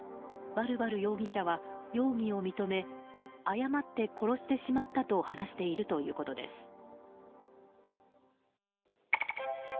バルバル容疑者は容疑を認め誤って殺してしまったと話しているということです。